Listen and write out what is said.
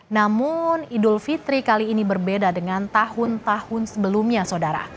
namun idul fitri kali ini berbeda dengan tahun tahun sebelumnya saudara